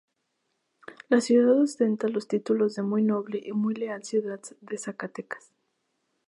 La ciudad ostenta los títulos de Muy Noble y Muy Leal Ciudad de Zacatecas.